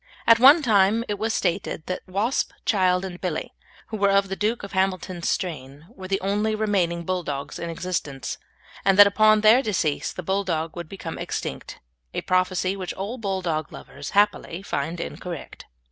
At one time it was stated that Wasp, Child, and Billy, who were of the Duke of Hamilton's strain, were the only remaining Bulldogs in existence, and that upon their decease the Bulldog would become extinct a prophecy which all Bulldog lovers happily find incorrect.